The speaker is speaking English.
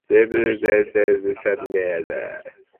Eleven designs were submitted.